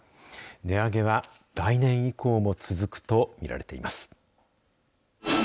値上げは来年以降も続くと見られています。